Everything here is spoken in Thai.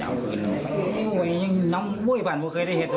หัวเว้ย